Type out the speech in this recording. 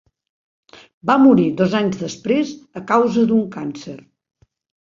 Va morir dos anys després a causa d'un càncer.